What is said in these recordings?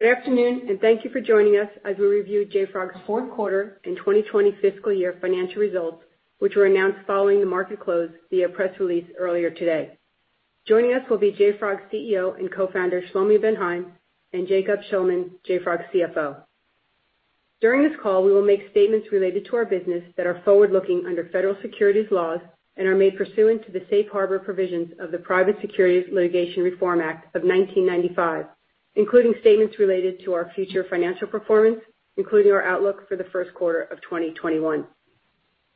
Good afternoon, and thank you for joining us as we review JFrog's fourth quarter and 2020 fiscal year financial results, which were announced following the market close via press release earlier today. Joining us will be JFrog's CEO and Co-Founder, Shlomi Ben Haim, and Jacob Shulman, JFrog's CFO. During this call, we will make statements related to our business that are forward-looking under federal securities laws and are made pursuant to the Safe Harbor provisions of the Private Securities Litigation Reform Act of 1995, including statements related to our future financial performance, including our outlook for the first quarter of 2021.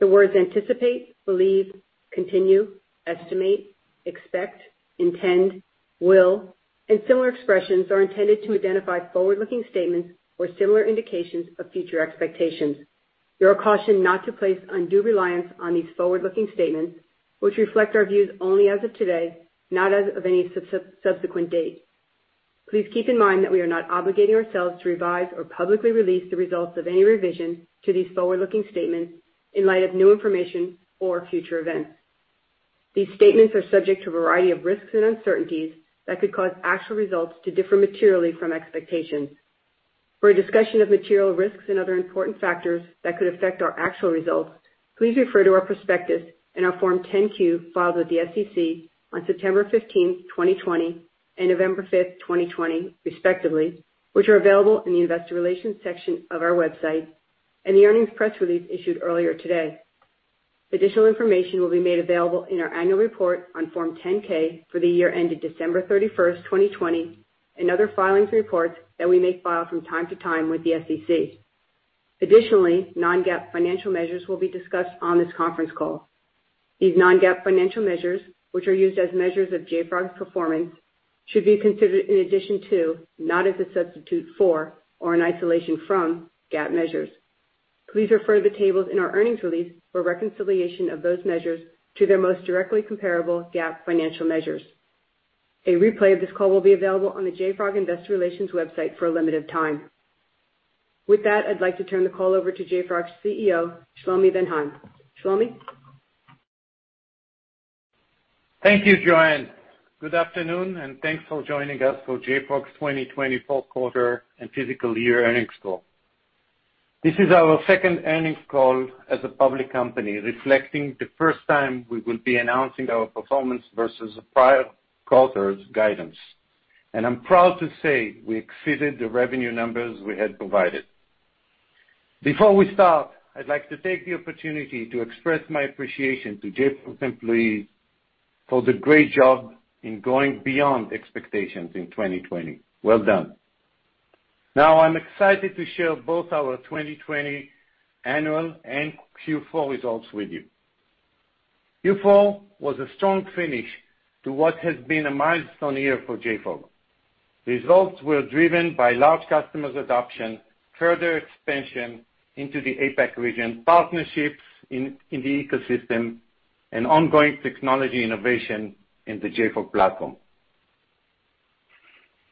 The words anticipate, believe, continue, estimate, expect, intend, will, and similar expressions are intended to identify forward-looking statements or similar indications of future expectations. You are cautioned not to place undue reliance on these forward-looking statements, which reflect our views only as of today, not as of any subsequent date. Please keep in mind that we are not obligating ourselves to revise or publicly release the results of any revision to these forward-looking statements in light of new information or future events. These statements are subject to a variety of risks and uncertainties that could cause actual results to differ materially from expectations. For a discussion of material risks and other important factors that could affect our actual results, please refer to our prospectus and our Form 10-Q filed with the SEC on September 15th, 2020, and November 5th, 2020, respectively, which are available in the investor relations section of our website, and the earnings press release issued earlier today. Additional information will be made available in our annual report on Form 10-K for the year ended December 31st, 2020, and other filings and reports that we may file from time to time with the SEC. Additionally, non-GAAP financial measures will be discussed on this conference call. These non-GAAP financial measures, which are used as measures of JFrog's performance, should be considered in addition to, not as a substitute for or an isolation from GAAP measures. Please refer to the tables in our earnings release for reconciliation of those measures to their most directly comparable GAAP financial measures. A replay of this call will be available on the JFrog Investor Relations website for a limited time. With that, I'd like to turn the call over to JFrog's CEO, Shlomi Ben Haim. Shlomi? Thank you, JoAnn. Good afternoon, and thanks for joining us for JFrog's 2020 fourth quarter and fiscal year earnings call. This is our second earnings call as a public company, reflecting the first time we will be announcing our performance versus prior quarters guidance. I'm proud to say we exceeded the revenue numbers we had provided. Before we start, I'd like to take the opportunity to express my appreciation to JFrog employees for the great job in going beyond expectations in 2020. Well done. Now, I'm excited to share both our 2020 annual and Q4 results with you. Q4 was a strong finish to what has been a milestone year for JFrog. Results were driven by large customers adoption, further expansion into the APAC region, partnerships in the ecosystem, and ongoing technology innovation in the JFrog Platform.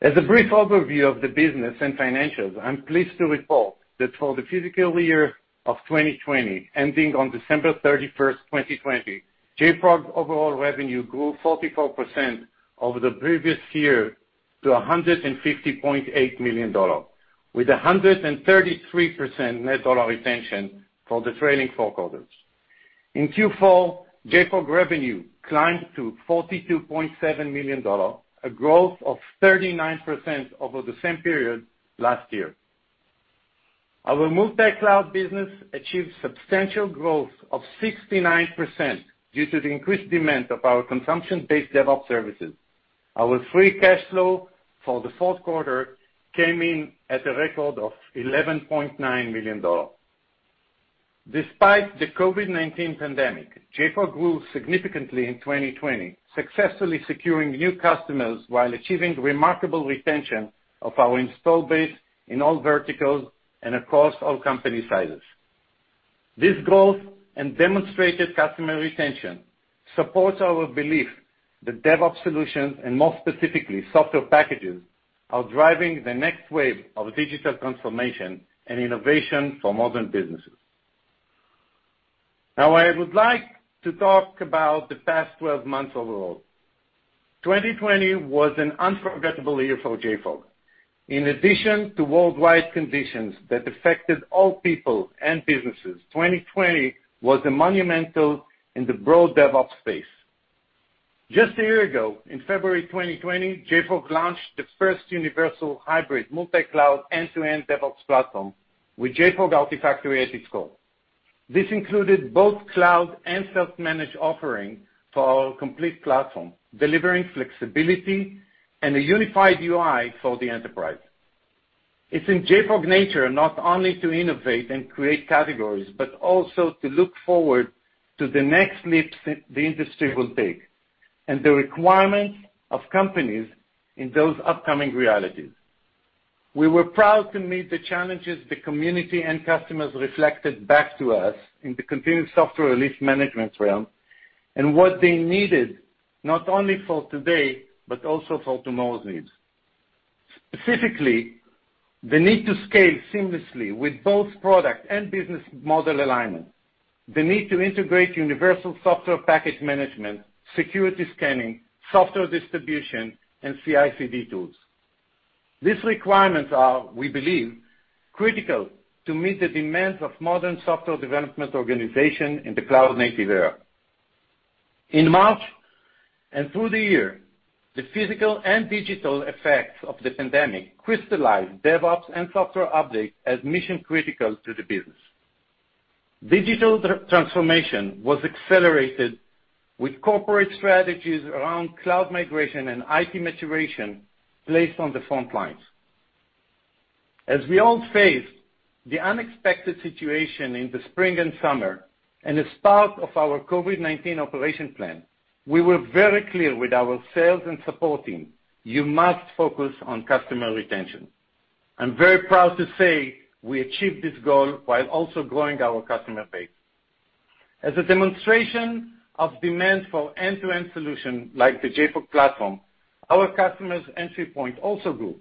As a brief overview of the business and financials, I'm pleased to report that for the fiscal year of 2020, ending on December 31st, 2020, JFrog's overall revenue grew 44% over the previous year to $150.8 million, with 133% net dollar retention for the trailing four quarters. In Q4, JFrog revenue climbed to $42.7 million, a growth of 39% over the same period last year. Our multi-cloud business achieved substantial growth of 69% due to the increased demand of our consumption-based DevOps services. Our free cash flow for the fourth quarter came in at a record of $11.9 million. Despite the COVID-19 pandemic, JFrog grew significantly in 2020, successfully securing new customers while achieving remarkable retention of our install base in all verticals and across all company sizes. This growth and demonstrated customer retention supports our belief that DevOps solutions, and more specifically, software packages, are driving the next wave of digital transformation and innovation for modern businesses. Now, I would like to talk about the past 12 months overall. 2020 was an unforgettable year for JFrog. In addition to worldwide conditions that affected all people and businesses, 2020 was a monumental in the broad DevOps space. Just a year ago, in February 2020, JFrog launched the first universal hybrid multi-cloud end-to-end DevOps platform with JFrog Artifactory at its core. This included both cloud and self-managed offering for our complete platform, delivering flexibility and a unified UI for the enterprise. It's in JFrog nature not only to innovate and create categories, but also to look forward to the next leaps that the industry will take, and the requirements of companies in those upcoming realities. We were proud to meet the challenges the community and customers reflected back to us in the continuous software release management realm, and what they needed not only for today, but also for tomorrow's needs. Specifically, the need to scale seamlessly with both product and business model alignment. The need to integrate universal software package management, security scanning, software distribution, and CI/CD tools. These requirements are, we believe, critical to meet the demands of modern software development organization in the cloud-native era. In March and through the year, the physical and digital effects of the pandemic crystallized DevOps and software updates as mission-critical to the business. Digital transformation was accelerated with corporate strategies around cloud migration and IT maturation placed on the front lines. As we all faced the unexpected situation in the spring and summer, and as part of our COVID-19 operation plan, we were very clear with our sales and support team, you must focus on customer retention. I'm very proud to say we achieved this goal while also growing our customer base. As a demonstration of demand for end-to-end solution like the JFrog Platform, our customers' entry point also grew,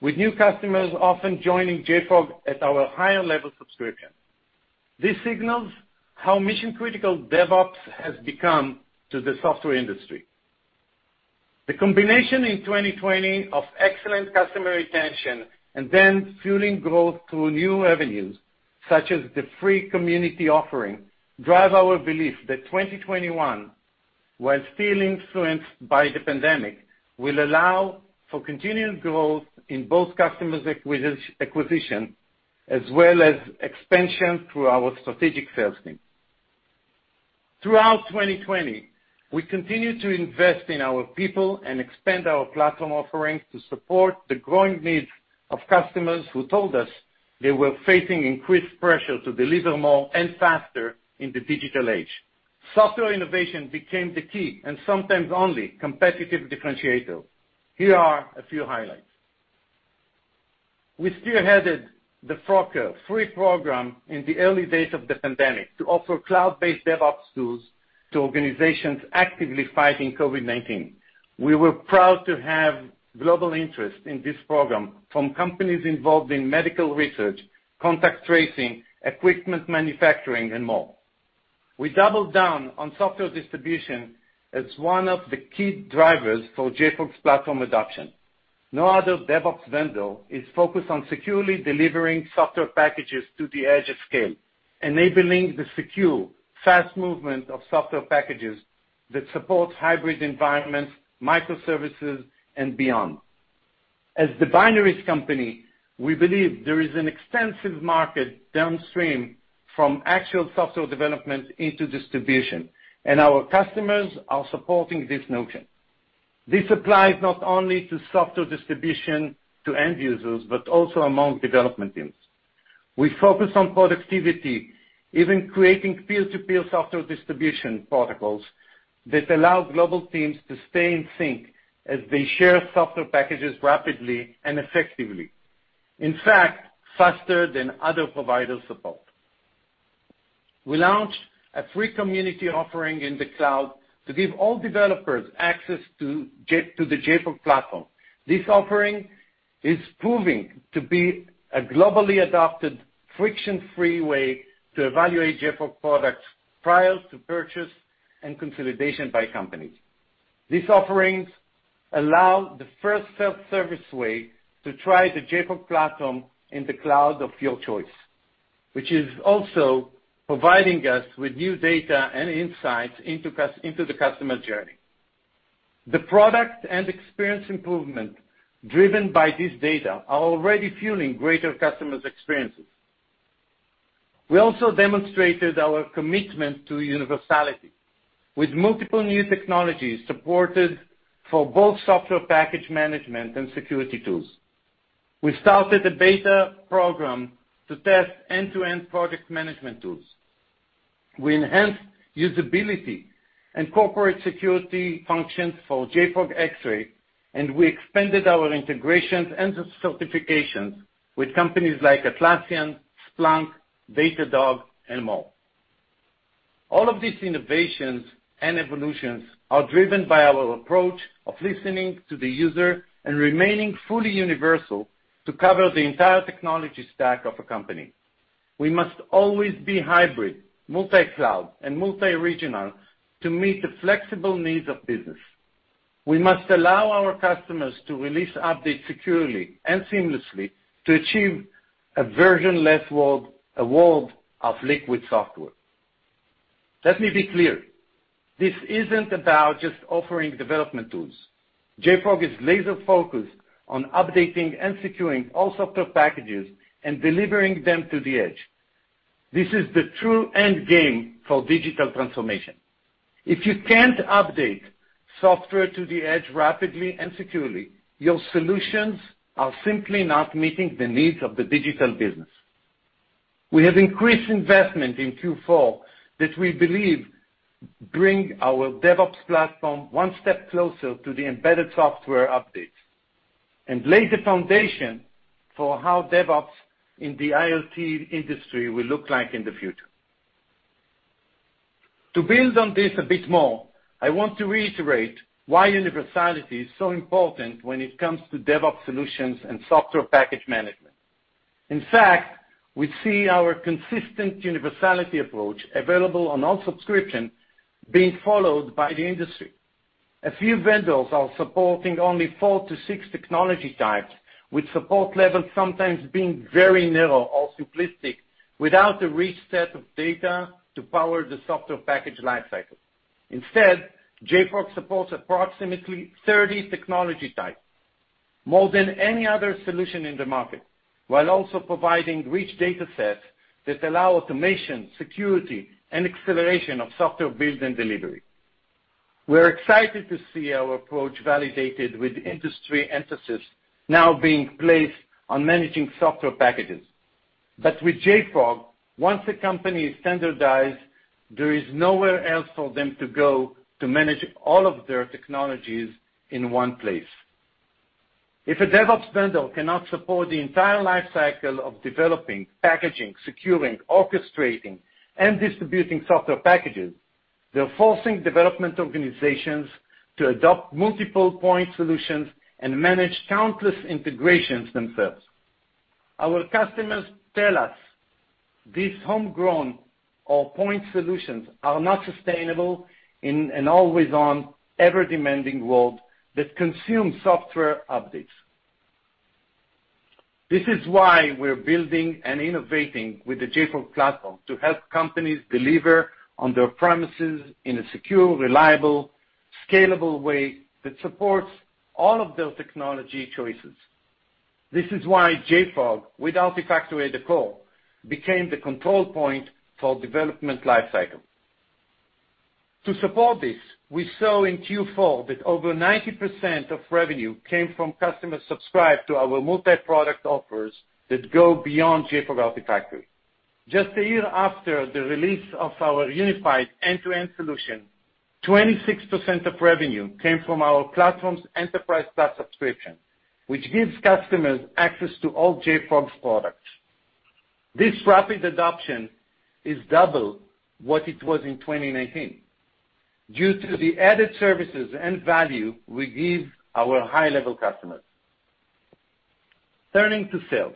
with new customers often joining JFrog at our higher-level subscription. This signals how mission-critical DevOps has become to the software industry. The combination in 2020 of excellent customer retention and then fueling growth through new avenues, such as the free community offering, drive our belief that 2021, while still influenced by the pandemic, will allow for continued growth in both customers acquisition as well as expansion through our strategic sales team. Throughout 2020, we continued to invest in our people and expand our platform offerings to support the growing needs of customers who told us they were facing increased pressure to deliver more and faster in the digital age. Software innovation became the key, and sometimes only competitive differentiator. Here are a few highlights. We spearheaded the JFrog Free Tier program in the early days of the pandemic to offer cloud-based DevOps tools to organizations actively fighting COVID-19. We were proud to have global interest in this program from companies involved in medical research, contact tracing, equipment manufacturing, and more. We doubled down on software distribution as one of the key drivers for JFrog's platform adoption. No other DevOps vendor is focused on securely delivering software packages to the edge of scale, enabling the secure, fast movement of software packages that supports hybrid environments, microservices, and beyond. As the binaries company, we believe there is an extensive market downstream from actual software development into distribution, and our customers are supporting this notion. This applies not only to software distribution to end users, but also among development teams. We focus on productivity, even creating peer-to-peer software distribution protocols that allow global teams to stay in sync as they share software packages rapidly and effectively. In fact, faster than other providers support. We launched a free community offering in the cloud to give all developers access to the JFrog Platform. This offering is proving to be a globally adopted, friction-free way to evaluate JFrog products prior to purchase and consolidation by companies. These offerings allow the first self-service way to try the JFrog Platform in the cloud of your choice, which is also providing us with new data and insights into the customer journey. The product and experience improvement driven by this data are already fueling greater customers experiences. We also demonstrated our commitment to universality with multiple new technologies supported for both software package management and security tools. We started a beta program to test end-to-end project management tools. We enhanced usability and corporate security functions for JFrog Xray, and we expanded our integrations and certifications with companies like Atlassian, Splunk, Datadog, and more. All of these innovations and evolutions are driven by our approach of listening to the user and remaining fully universal to cover the entire technology stack of a company. We must always be hybrid, multi-cloud, and multi-regional to meet the flexible needs of business. We must allow our customers to release updates securely and seamlessly to achieve a version-less world, a world of liquid software. Let me be clear. This isn't about just offering development tools. JFrog is laser-focused on updating and securing all software packages and delivering them to the edge. This is the true end game for digital transformation. If you can't update software to the edge rapidly and securely, your solutions are simply not meeting the needs of the digital business. We have increased investment in Q4 that we believe bring our DevOps platform one step closer to the embedded software updates and lay the foundation for how DevOps in the IoT industry will look like in the future. To build on this a bit more, I want to reiterate why universality is so important when it comes to DevOps solutions and software package management. In fact, we see our consistent universality approach available on all subscription being followed by the industry. A few vendors are supporting only four to six technology types, with support levels sometimes being very narrow or simplistic without a rich set of data to power the software package life cycle. Instead, JFrog supports approximately 30 technology types, more than any other solution in the market, while also providing rich data sets that allow automation, security, and acceleration of software build and delivery. We're excited to see our approach validated with industry emphasis now being placed on managing software packages. With JFrog, once a company is standardized, there is nowhere else for them to go to manage all of their technologies in one place. If a DevOps vendor cannot support the entire life cycle of developing, packaging, securing, orchestrating, and distributing software packages, they're forcing development organizations to adopt multiple point solutions and manage countless integrations themselves. Our customers tell us these homegrown or point solutions are not sustainable in an always-on, ever-demanding world that consumes software updates. This is why we're building and innovating with the JFrog Platform to help companies deliver on their premises in a secure, reliable, scalable way that supports all of their technology choices. This is why JFrog, with Artifactory at the core, became the control point for development life cycle. To support this, we saw in Q4 that over 90% of revenue came from customers subscribed to our multi-product offers that go beyond JFrog Artifactory. Just a year after the release of our unified end-to-end solution, 26% of revenue came from our platform's Enterprise Plus subscription, which gives customers access to all JFrog's products. This rapid adoption is double what it was in 2019 due to the added services and value we give our high-level customers. Turning to sales.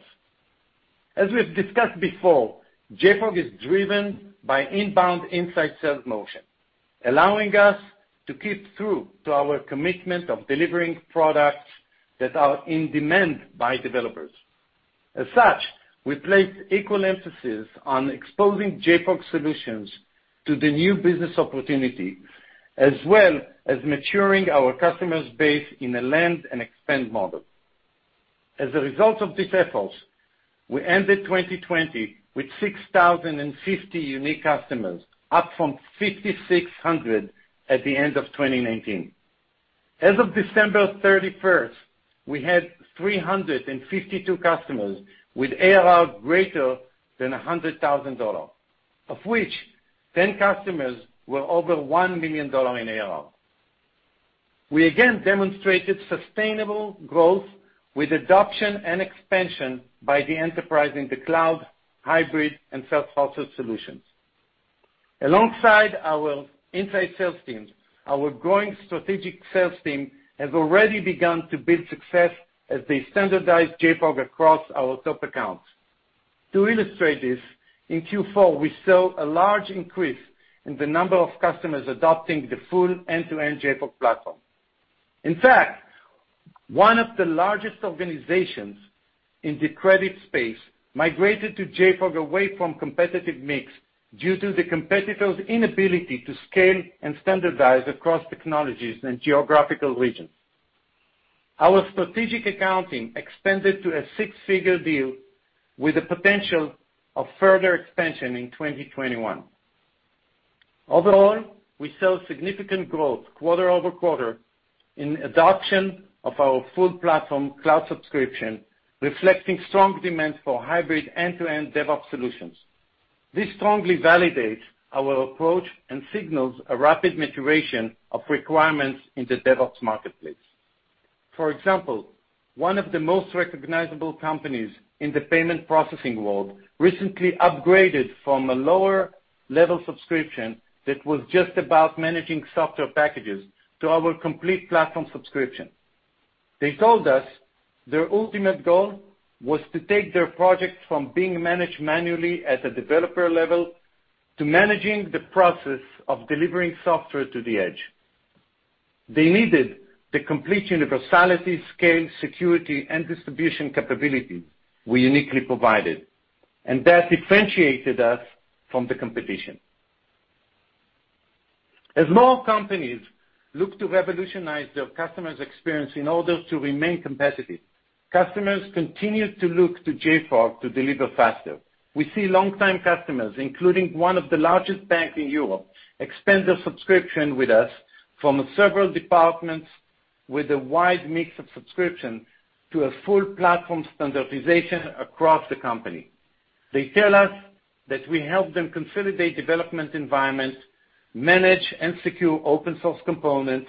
As we've discussed before, JFrog is driven by inbound inside sales motion, allowing us to keep true to our commitment of delivering products that are in demand by developers. As such, we placed equal emphasis on exposing JFrog solutions to the new business opportunity, as well as maturing our customers base in a land and expand model. As a result of these efforts, we ended 2020 with 6,050 unique customers, up from 5,600 at the end of 2019. As of December 31st, we had 352 customers with ARR greater than $100,000, of which 10 customers were over $1 million in ARR. We again demonstrated sustainable growth with adoption and expansion by the enterprise in the cloud, hybrid, and self-hosted solutions. Alongside our inside sales teams, our growing strategic sales team has already begun to build success as they standardize JFrog across our top accounts. To illustrate this, in Q4, we saw a large increase in the number of customers adopting the full end-to-end JFrog Platform. In fact, one of the largest organizations in the credit space migrated to JFrog away from competitive mix due to the competitor's inability to scale and standardize across technologies and geographical regions. Our strategic accounting expanded to a six-figure deal with the potential of further expansion in 2021. Overall, we saw significant growth quarter-over-quarter in adoption of our full platform cloud subscription, reflecting strong demand for hybrid end-to-end DevOps solutions. This strongly validates our approach and signals a rapid maturation of requirements in the DevOps marketplace. For example, one of the most recognizable companies in the payment processing world recently upgraded from a lower-level subscription that was just about managing software packages to our complete platform subscription. They told us their ultimate goal was to take their projects from being managed manually at a developer level to managing the process of delivering software to the edge. They needed the complete universality, scale, security, and distribution capability we uniquely provided, and that differentiated us from the competition. As more companies look to revolutionize their customers' experience in order to remain competitive, customers continue to look to JFrog to deliver faster. We see longtime customers, including one of the largest banks in Europe, expand their subscription with us from several departments with a wide mix of subscription to a full platform standardization across the company. They tell us that we help them consolidate development environments, manage and secure open source components,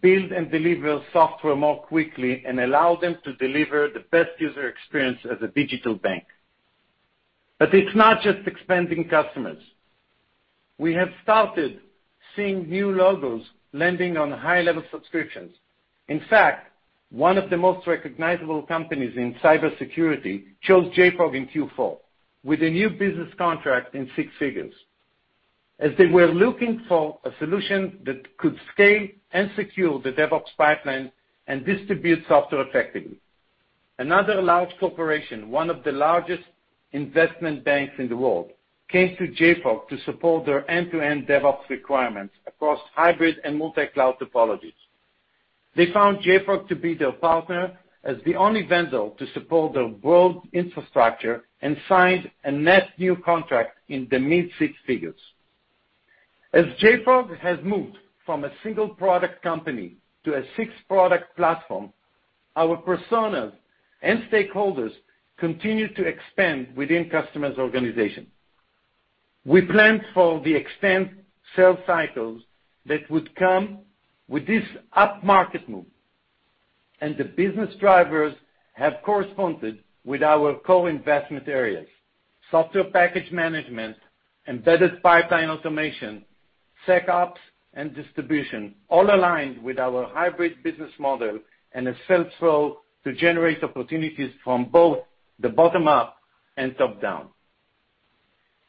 build and deliver software more quickly, and allow them to deliver the best user experience as a digital bank. It's not just expanding customers. We have started seeing new logos landing on high-level subscriptions. In fact, one of the most recognizable companies in cybersecurity chose JFrog in Q4 with a new business contract in six figures, as they were looking for a solution that could scale and secure the DevOps pipeline and distribute software effectively. Another large corporation, one of the largest investment banks in the world, came to JFrog to support their end-to-end DevOps requirements across hybrid and multi-cloud topologies. They found JFrog to be their partner as the only vendor to support their world infrastructure and signed a net new contract in the mid-six figures. As JFrog has moved from a single product company to a six-product platform, our personas and stakeholders continue to expand within customers' organization. The business drivers have corresponded with our co-investment areas. Software package management, embedded pipeline automation, SecOps, and distribution all aligned with our hybrid business model and a sales flow to generate opportunities from both the bottom up and top down.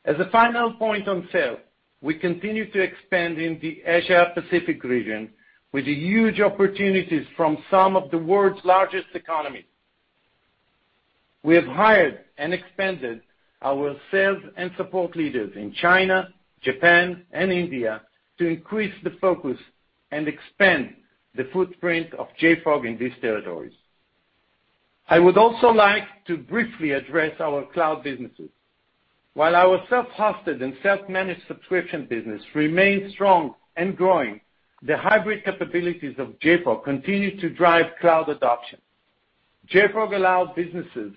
As a final point on sale, we continue to expand in the Asia Pacific region with the huge opportunities from some of the world's largest economies. We have hired and expanded our sales and support leaders in China, Japan, and India to increase the focus and expand the footprint of JFrog in these territories. I would also like to briefly address our cloud businesses. While our self-hosted and self-managed subscription business remains strong and growing, the hybrid capabilities of JFrog continue to drive cloud adoption. JFrog allows businesses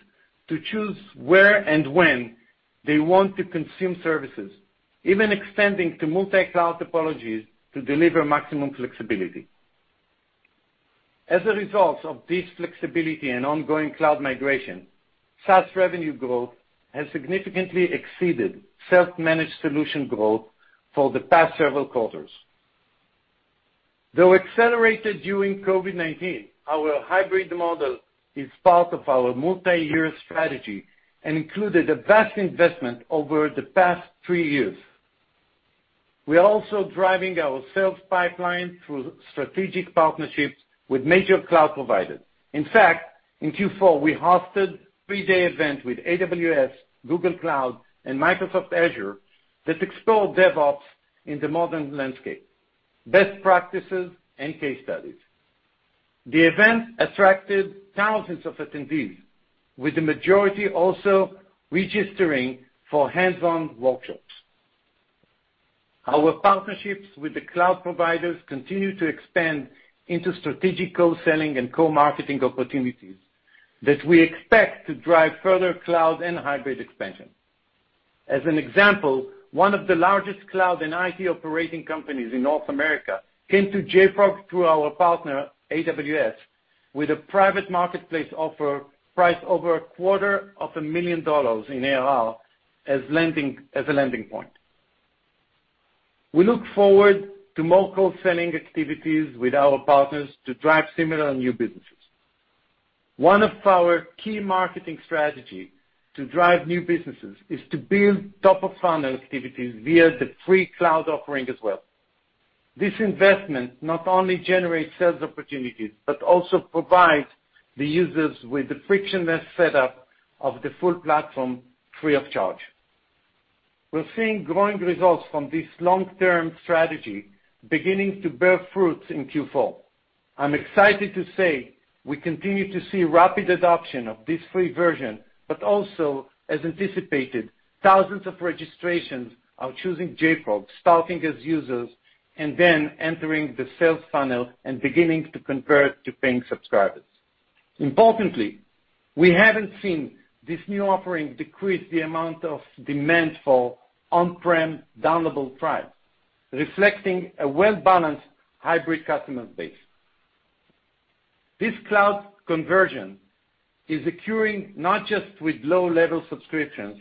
to choose where and when they want to consume services, even extending to multi-cloud topologies to deliver maximum flexibility. As a result of this flexibility and ongoing cloud migration, SaaS revenue growth has significantly exceeded self-managed solution growth for the past several quarters. Though accelerated during COVID-19, our hybrid model is part of our multi-year strategy and included a vast investment over the past three years. We are also driving our sales pipeline through strategic partnerships with major cloud providers. In fact, in Q4, we hosted a three-day event with AWS, Google Cloud, and Microsoft Azure that explored DevOps in the modern landscape, best practices, and case studies. The event attracted thousands of attendees, with the majority also registering for hands-on workshops. Our partnerships with the cloud providers continue to expand into strategic co-selling and co-marketing opportunities that we expect to drive further cloud and hybrid expansion. As an example, one of the largest cloud and IT operating companies in North America came to JFrog through our partner, AWS, with a private marketplace offer priced over a quarter of a million dollars in ARR as a landing point. We look forward to more co-selling activities with our partners to drive similar new businesses. One of our key marketing strategy to drive new businesses is to build top-of-funnel activities via the free cloud offering as well. This investment not only generates sales opportunities, but also provides the users with the frictionless setup of the full platform free of charge. We're seeing growing results from this long-term strategy beginning to bear fruits in Q4. I'm excited to say we continue to see rapid adoption of this free version, but also, as anticipated, thousands of registrations are choosing JFrog, starting as users, and then entering the sales funnel and beginning to convert to paying subscribers. Importantly, we haven't seen this new offering decrease the amount of demand for on-prem downloadable trials, reflecting a well-balanced hybrid customer base. This cloud conversion is occurring not just with low-level subscriptions,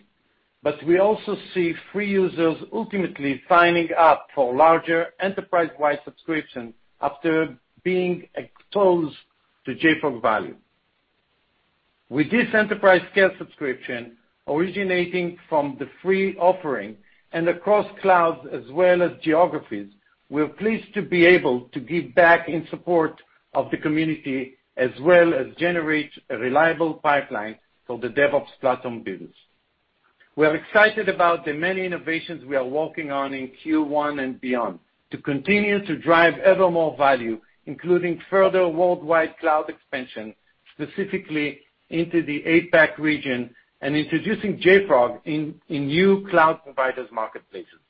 but we also see free users ultimately signing up for larger enterprise-wide subscription after being exposed to JFrog value. With this enterprise scale subscription originating from the free offering and across clouds as well as geographies, we're pleased to be able to give back in support of the community as well as generate a reliable pipeline for the DevOps platform business. We are excited about the many innovations we are working on in Q1 and beyond to continue to drive ever more value, including further worldwide cloud expansion, specifically into the APAC region, and introducing JFrog in new cloud providers' marketplaces.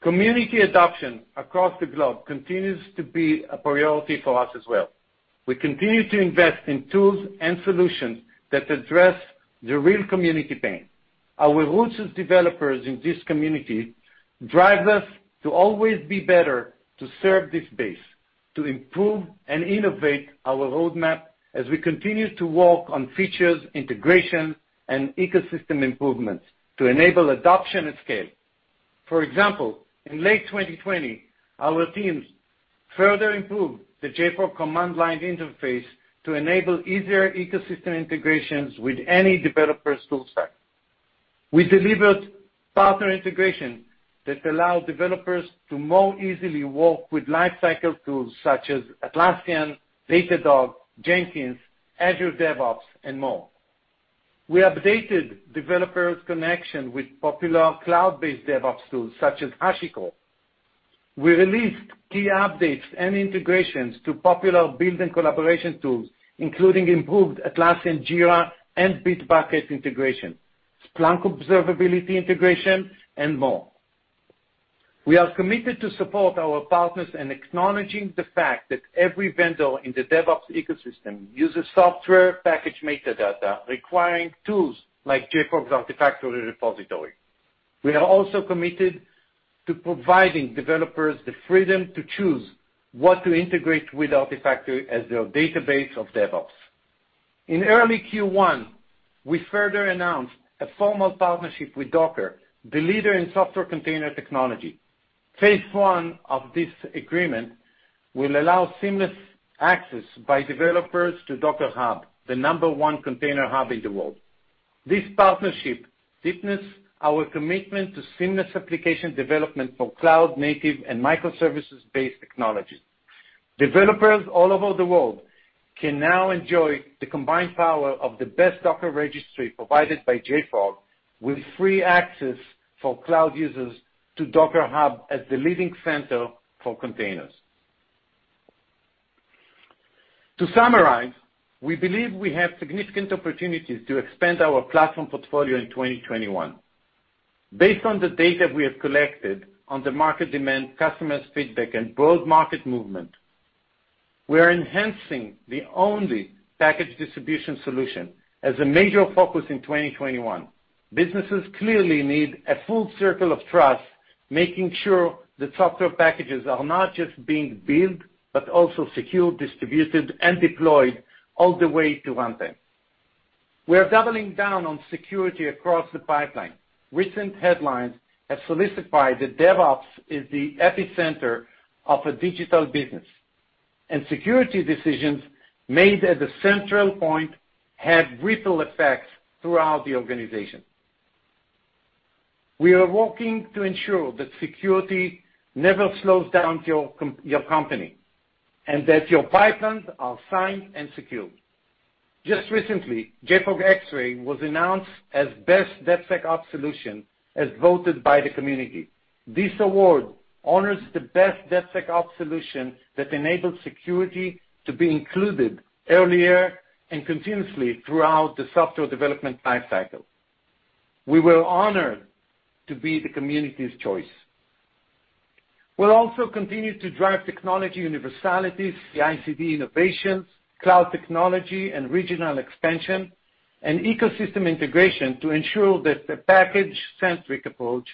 Community adoption across the globe continues to be a priority for us as well. We continue to invest in tools and solutions that address the real community pain. Our roots as developers in this community drives us to always be better to serve this base. To improve and innovate our roadmap as we continue to work on features, integration, and ecosystem improvements to enable adoption at scale. For example, in late 2020, our teams further improved the JFrog command line interface to enable easier ecosystem integrations with any developer's tool stack. We delivered partner integrations that allow developers to more easily work with lifecycle tools such as Atlassian, Datadog, Jenkins, Azure DevOps, and more. We updated developers' connection with popular cloud-based DevOps tools such as HashiCorp. We released key updates and integrations to popular build and collaboration tools, including improved Atlassian, Jira, and Bitbucket integration, Splunk observability integration, and more. We are committed to support our partners in acknowledging the fact that every vendor in the DevOps ecosystem uses software package metadata requiring tools like JFrog Artifactory repository. We are also committed to providing developers the freedom to choose what to integrate with Artifactory as their database of DevOps. In early Q1, we further announced a formal partnership with Docker, the leader in software container technology. phase 1 of this agreement will allow seamless access by developers to Docker Hub, the number one container hub in the world. This partnership deepens our commitment to seamless application development for cloud native and microservices-based technologies. Developers all over the world can now enjoy the combined power of the best Docker registry provided by JFrog with free access for cloud users to Docker Hub as the leading center for containers. To summarize, we believe we have significant opportunities to expand our platform portfolio in 2021. Based on the data we have collected on the market demand, customers' feedback, and broad market movement, we are enhancing the only package distribution solution as a major focus in 2021. Businesses clearly need a full circle of trust, making sure that software packages are not just being built, but also secured, distributed, and deployed all the way to runtime. We are doubling down on security across the pipeline. Recent headlines have solidified that DevOps is the epicenter of a digital business, and security decisions made at the central point have ripple effects throughout the organization. We are working to ensure that security never slows down your company, and that your pipelines are signed and secured. Just recently, JFrog Xray was announced as best DevSecOps solution as voted by the community. This award honors the best DevSecOps solution that enables security to be included earlier and continuously throughout the software development life cycle. We were honored to be the community's choice. We'll also continue to drive technology universalities, CI/CD innovations, cloud technology and regional expansion, and ecosystem integration to ensure that the package-centric approach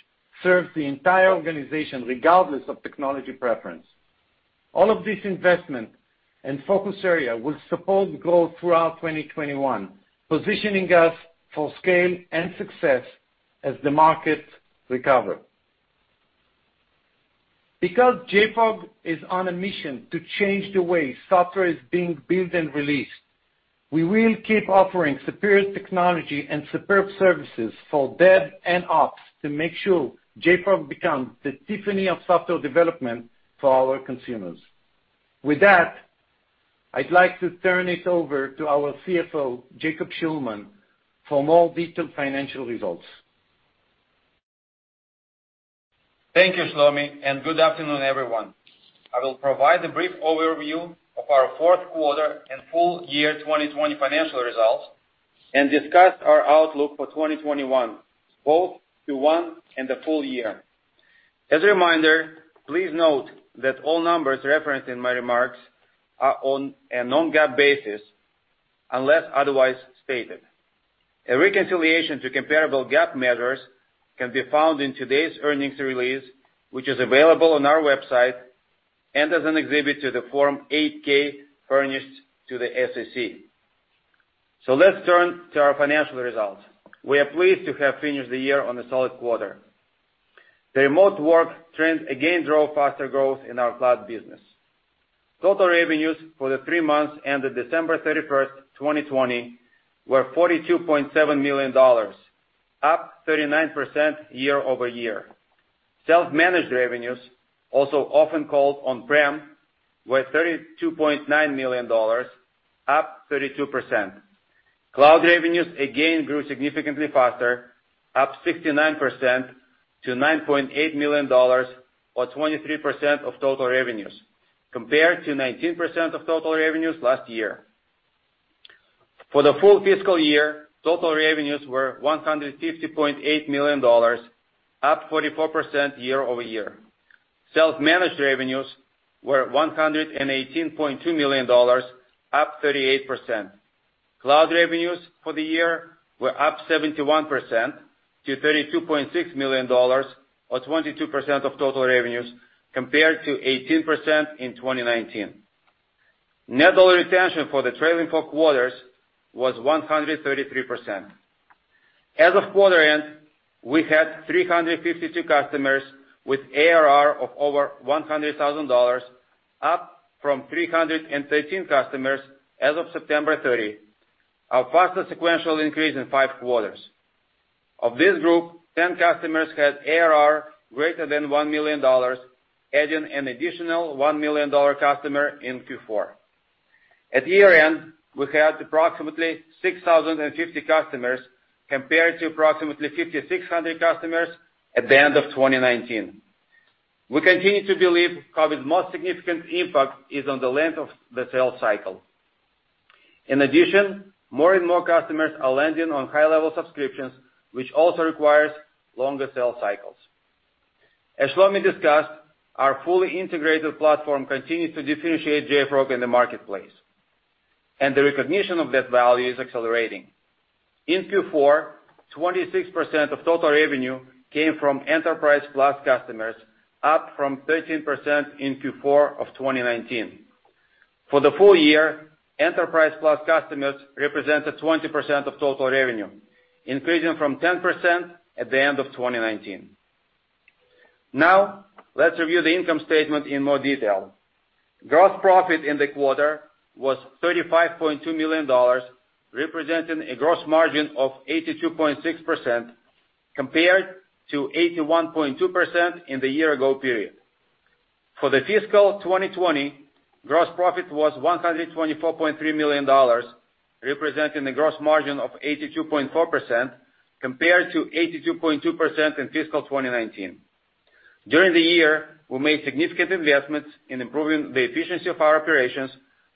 serves the entire organization, regardless of technology preference. All of this investment and focus area will support growth throughout 2021, positioning us for scale and success as the market recovers. Because JFrog is on a mission to change the way software is being built and released, we will keep offering superior technology and superb services for dev and ops to make sure JFrog becomes the Tiffany of software development for our consumers. With that, I'd like to turn it over to our CFO, Jacob Shulman, for more detailed financial results. Thank you, Shlomi, and good afternoon, everyone. I will provide a brief overview of our fourth quarter and full year 2020 financial results and discuss our outlook for 2021, both Q1 and the full year. As a reminder, please note that all numbers referenced in my remarks are on a non-GAAP basis unless otherwise stated. A reconciliation to comparable GAAP measures can be found in today's earnings release, which is available on our website and as an exhibit to the Form 8-K furnished to the SEC. Let's turn to our financial results. We are pleased to have finished the year on a solid quarter. The remote work trend again drove faster growth in our cloud business. Total revenues for the three months ended December 31st, 2020, were $42.7 million, up 39% year-over-year. Self-managed revenues, also often called on-prem, were $32.9 million, up 32%. Cloud revenues again grew significantly faster, up 69% to $9.8 million, or 23% of total revenues, compared to 19% of total revenues last year. For the full fiscal year, total revenues were $150.8 million, up 44% year-over-year. Self-managed revenues were $118.2 million, up 38%. Cloud revenues for the year were up 71% to $32.6 million, or 22% of total revenues, compared to 18% in 2019. Net dollar retention for the trailing four quarters was 133%. As of quarter end, we had 352 customers with ARR of over $100,000, up from 313 customers as of September 30, our fastest sequential increase in five quarters. Of this group, 10 customers had ARR greater than $1 million, adding an additional $1 million customer in Q4. At year-end, we had approximately 6,050 customers compared to approximately 5,600 customers at the end of 2019. We continue to believe COVID's most significant impact is on the length of the sales cycle. More and more customers are landing on high-level subscriptions, which also requires longer sales cycles. As Shlomi discussed, our fully integrated platform continues to differentiate JFrog in the marketplace, and the recognition of that value is accelerating. In Q4, 26% of total revenue came from Enterprise Plus customers, up from 13% in Q4 of 2019. For the full year, Enterprise Plus customers represented 20% of total revenue, increasing from 10% at the end of 2019. Let's review the income statement in more detail. Gross profit in the quarter was $35.2 million, representing a gross margin of 82.6%, compared to 81.2% in the year-ago period. For the fiscal 2020, gross profit was $124.3 million, representing a gross margin of 82.4%, compared to 82.2% in fiscal 2019. During the year, we made significant investments in improving the efficiency of our operations,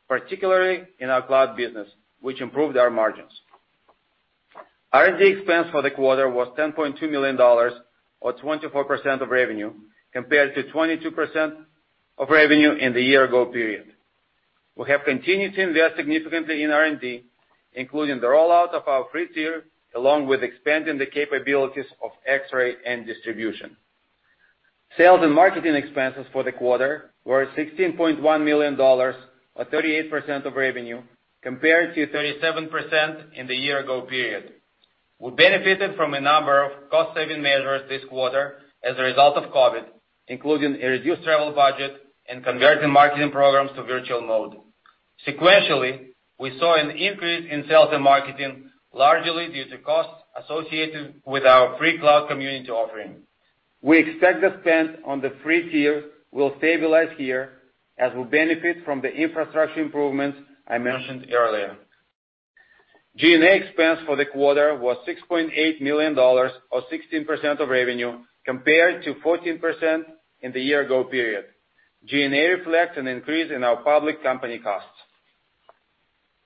particularly in our cloud business, which improved our margins. R&D expense for the quarter was $10.2 million or 24% of revenue, compared to 22% of revenue in the year-ago period. We have continued to invest significantly in R&D, including the rollout of our free tier, along with expanding the capabilities of Xray and Distribution. Sales and marketing expenses for the quarter were $16.1 million, or 38% of revenue, compared to 37% in the year-ago period. We benefited from a number of cost-saving measures this quarter as a result of COVID, including a reduced travel budget and converting marketing programs to virtual mode. Sequentially, we saw an increase in sales and marketing, largely due to costs associated with our free cloud community offering. We expect the spend on the Free Tier will stabilize here as we benefit from the infrastructure improvements I mentioned earlier. G&A expense for the quarter was $6.8 million or 16% of revenue compared to 14% in the year-ago period. G&A reflects an increase in our public company costs.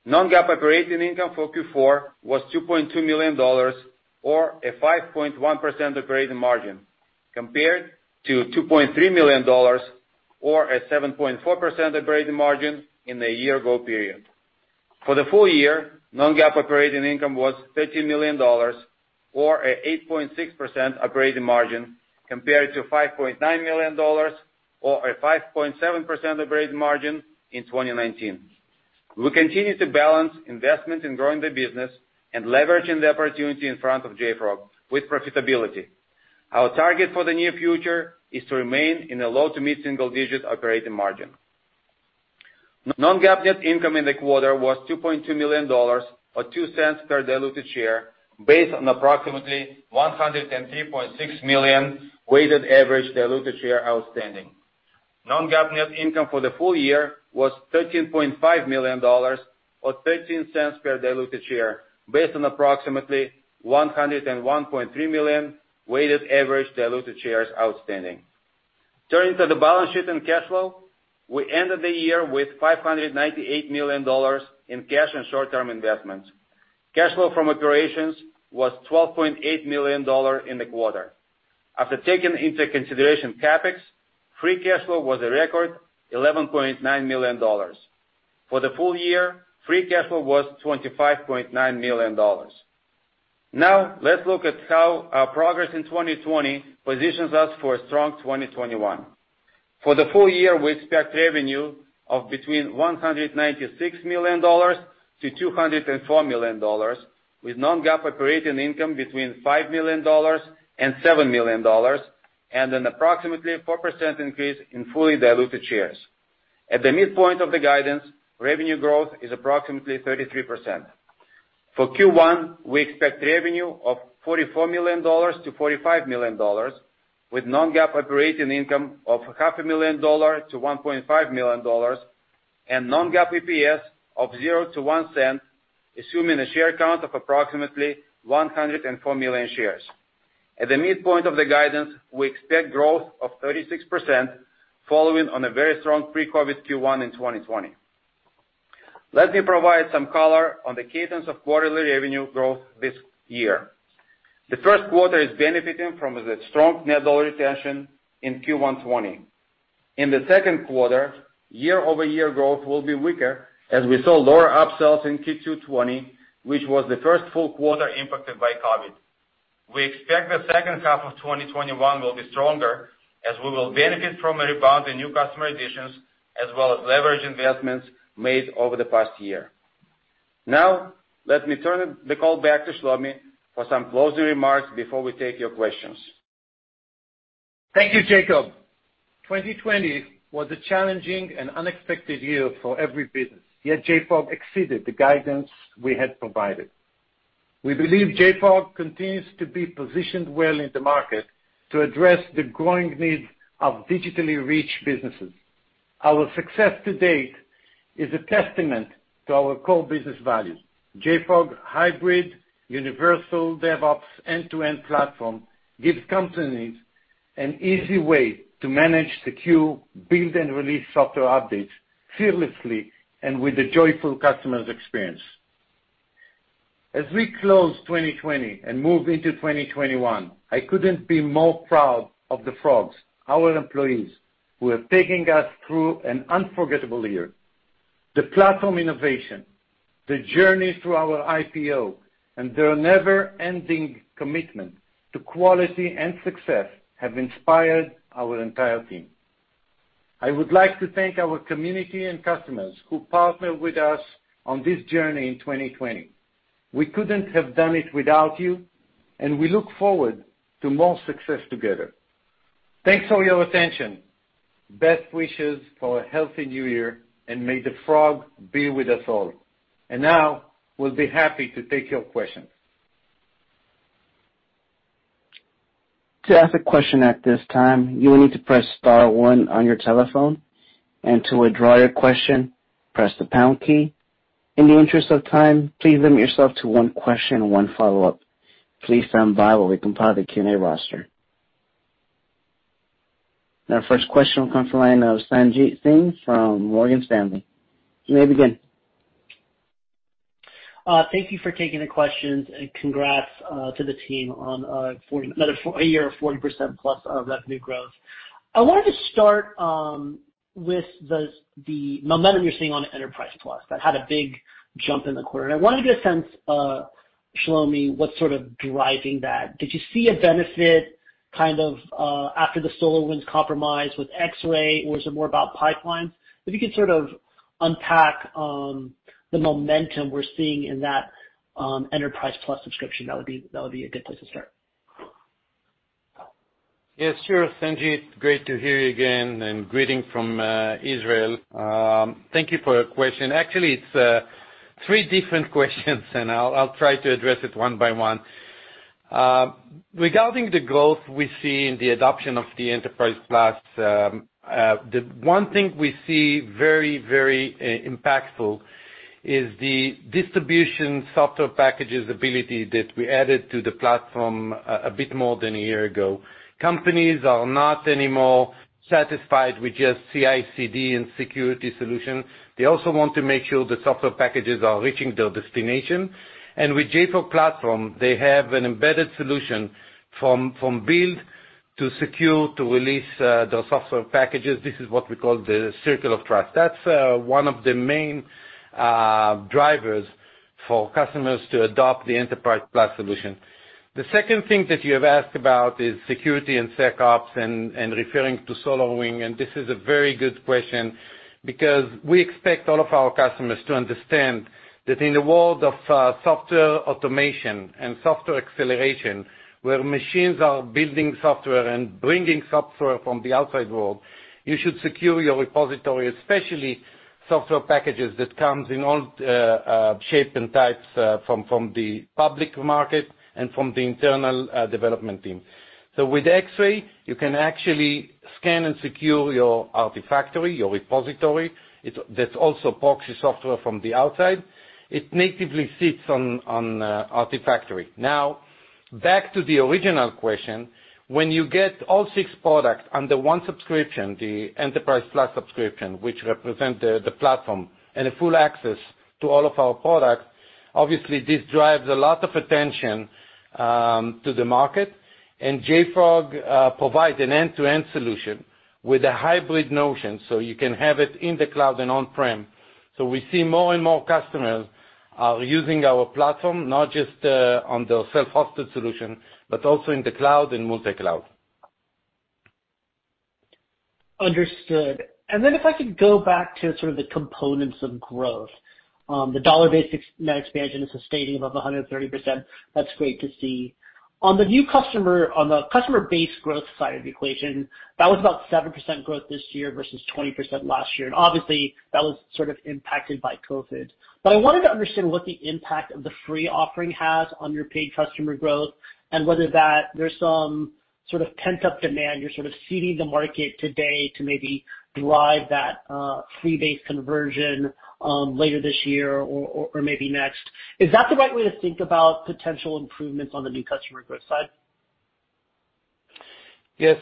Non-GAAP operating income for Q4 was $2.2 million or a 5.1% operating margin compared to $2.3 million or a 7.4% operating margin in the year-ago period. For the full year, non-GAAP operating income was $13 million or an 8.6% operating margin compared to $5.9 million or a 5.7% operating margin in 2019. We continue to balance investment in growing the business and leveraging the opportunity in front of JFrog with profitability. Our target for the near future is to remain in the low to mid-single-digit operating margin. Non-GAAP net income in the quarter was $2.2 million or $0.02 per diluted share based on approximately 103.6 million weighted average diluted share outstanding. Non-GAAP net income for the full year was $13.5 million or $0.13 per diluted share based on approximately 101.3 million weighted average diluted shares outstanding. Turning to the balance sheet and cash flow, we ended the year with $598 million in cash and short-term investments. Cash flow from operations was $12.8 million in the quarter. After taking into consideration CapEx, free cash flow was a record $11.9 million. For the full year, free cash flow was $25.9 million. Now let's look at how our progress in 2020 positions us for a strong 2021. For the full year, we expect revenue of between $196 million-$204 million, with non-GAAP operating income between $5 million and $7 million, and an approximately 4% increase in fully diluted shares. At the midpoint of the guidance, revenue growth is approximately 33%. For Q1, we expect revenue of $44 million-$45 million, with non-GAAP operating income of $500,000-$1.5 million and non-GAAP EPS of $0.00-$0.01, assuming a share count of approximately 104 million shares. At the midpoint of the guidance, we expect growth of 36%, following on a very strong pre-COVID-19 Q1 in 2020. Let me provide some color on the cadence of quarterly revenue growth this year. The first quarter is benefiting from the strong net dollar retention in Q1 2020. In the second quarter, year-over-year growth will be weaker as we saw lower upsells in Q2 2020, which was the first full quarter impacted by COVID. We expect the second half of 2021 will be stronger as we will benefit from a rebound in new customer additions as well as leverage investments made over the past year. Let me turn the call back to Shlomi for some closing remarks before we take your questions. Thank you, Jacob. 2020 was a challenging and unexpected year for every business, yet JFrog exceeded the guidance we had provided. We believe JFrog continues to be positioned well in the market to address the growing needs of digitally rich businesses. Our success to date is a testament to our core business values. JFrog hybrid universal DevOps end-to-end platform gives companies an easy way to manage, secure, build, and release software updates fearlessly and with a joyful customers experience. As we close 2020 and move into 2021, I couldn't be more proud of the Frogs, our employees, who have taken us through an unforgettable year. The platform innovation, the journey through our IPO, and their never-ending commitment to quality and success have inspired our entire team. I would like to thank our community and customers who partnered with us on this journey in 2020. We couldn't have done it without you, and we look forward to more success together. Thanks for your attention. Best wishes for a healthy new year, and may the JFrog be with us all. Now, we'll be happy to take your questions. To ask a question at this time, you'll need to press star one on your telephone. And to withdraw your question, press the pound key. In the interest of time, please limit yourself to one question and one follow-up. First question will come from the line of Sanjit Singh from Morgan Stanley. You may begin. Thank you for taking the questions, and congrats to the team on a year of 40% plus of revenue growth. I wanted to start with the momentum you're seeing on Enterprise Plus. That had a big jump in the quarter. I wanted to get a sense, Shlomi, what's sort of driving that. Did you see a benefit after the SolarWinds compromise with Xray, or is it more about Pipeline? If you could sort of unpack the momentum we're seeing in that Enterprise Plus subscription, that would be a good place to start. Yes, sure, Sanjit. Great to hear you again, and greetings from Israel. Thank you for your question. Actually, it's three different questions. I'll try to address it one by one. Regarding the growth we see in the adoption of the Enterprise Plus, the one thing we see very impactful is the distribution software packages ability that we added to the platform a bit more than one year ago. Companies are not anymore satisfied with just CI/CD and security solution. They also want to make sure the software packages are reaching their destination. With JFrog Platform, they have an embedded solution from build to secure to release their software packages. This is what we call the Circle of Trust. That's one of the main drivers for customers to adopt the Enterprise Plus solution. The second thing that you have asked about is security and SecOps and referring to SolarWinds, this is a very good question because we expect all of our customers to understand that in the world of software automation and software acceleration, where machines are building software and bringing software from the outside world, you should secure your repository, especially software packages that comes in all shape and types from the public market and from the internal development team. With Xray, you can actually scan and secure your Artifactory, your repository, that also parks your software from the outside. It natively sits on Artifactory. Now, back to the original question. When you get all six products under one subscription, the Enterprise Plus subscription, which represent the platform and a full access to all of our products, obviously this drives a lot of attention to the market, and JFrog provides an end-to-end solution with a hybrid notion so you can have it in the cloud and on-prem. We see more and more customers are using our platform, not just on the self-hosted solution, but also in the cloud and multi-cloud. Understood. If I could go back to sort of the components of growth. The dollar-based net expansion is sustaining above 130%. That's great to see. On the customer base growth side of the equation, that was about 7% growth this year versus 20% last year, and obviously, that was sort of impacted by COVID. I wanted to understand what the impact of the free offering has on your paid customer growth and whether that there's some sort of pent-up demand, you're sort of seeding the market today to maybe drive that free base conversion later this year or maybe next. Is that the right way to think about potential improvements on the new customer growth side? Yes.